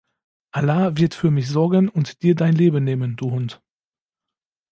Allah wird für mich sorgen und dir dein Leben nehmen du Hund.